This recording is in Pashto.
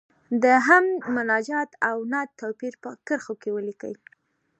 د حمد، مناجات او نعت توپیر په کرښو کې ولیکئ.